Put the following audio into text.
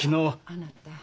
あなた。